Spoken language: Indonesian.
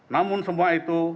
namun semua itu